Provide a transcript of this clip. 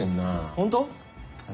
本当？